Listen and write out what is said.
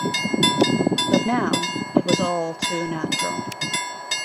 But now it was all too natural.